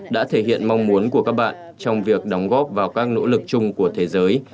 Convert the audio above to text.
đã thể hiện mong muốn của các bạn trong việc đóng góp vào các nỗ lực chung của thế giới